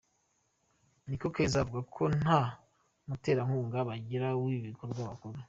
Nikokeza avuga ko nta muterankunga bagira w’ibi bikorwa bakora.